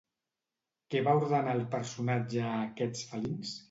Què va ordenar el personatge a aquests felins?